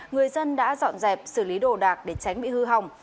người dân đã dọn dẹp xử lý đồ đạc để tránh bị hư hỏng